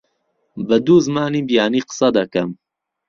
بە دوو زمانی بیانی قسە دەکەم.